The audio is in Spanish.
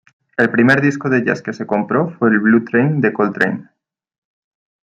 El primer disco de jazz que se compró fue el "Blue Train" de Coltrane.